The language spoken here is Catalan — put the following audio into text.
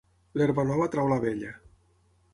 L'herba nova treu la vella.